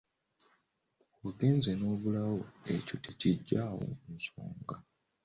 "Bw'ogeza n’obulawo, ekyo tekiggyaawo nsonga."